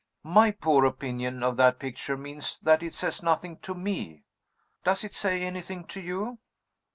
My poor opinion of that picture means that it says nothing to Me. Does it say anything to You?"